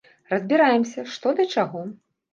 Разбіраемся, што да чаго.